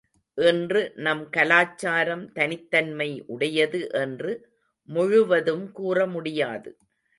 இன்று நம் கலாச்சாரம் தனித்தன்மை உடையது என்று முழுவதும் கூறமுடியாது.